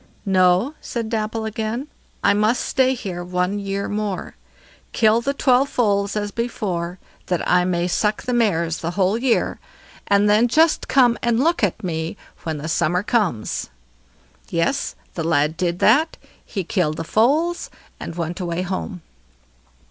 "No", said Dapple again, "I must stay here one year more. Kill the twelve foals as before, that I may suck the mares the whole year, and then just come and look at me when the summer comes." Yes! the lad did that; he killed the foals, and went away home.